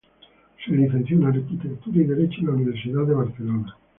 Se licenció en arquitectura y Derecho en la Universidad de Barcelona.